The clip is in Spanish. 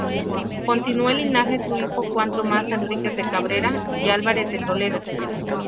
Continuó el linaje su hijo Juan Tomás Enríquez de Cabrera y Álvarez de Toledo.